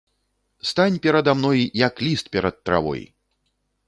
Стань перада мной, як ліст перад травой!